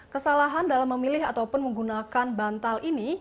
kesalahan dalam memilih ataupun menggunakan bantal ini